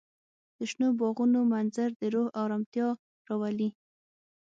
د شنو باغونو منظر د روح ارامتیا راولي.